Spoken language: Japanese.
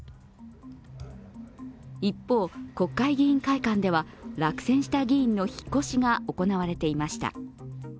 一方、国会議員会館では落選した議員の引っ越しが行われていました。